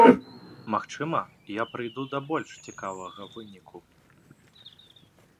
Магчыма, я прыйду да больш цікавага выніку.